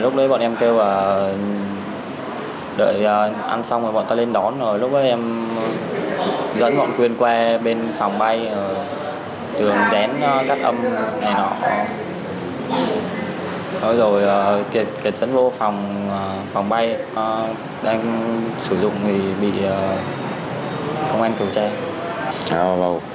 thì giờ ăn xong rồi bọn ta lên đón rồi lúc đó em dẫn vận quyền qua bên phòng bay tường rém cát âm này nọ rồi rồi kiệt dẫn vô phòng bay anh sử dụng thì bị công an kiều trang